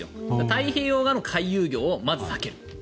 太平洋側の回遊魚をまず避ける。